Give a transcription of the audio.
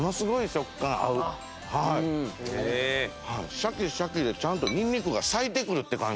シャキシャキでちゃんとにんにくが咲いてくるって感じ。